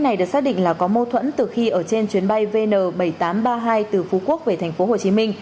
này được xác định là có mâu thuẫn từ khi ở trên chuyến bay vn bảy nghìn tám trăm ba mươi hai từ phú quốc về tp hcm